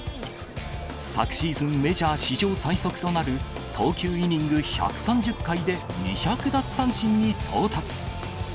昨シーズン、メジャー史上最速となる投球イニング１３０回で２００奪三振に到達。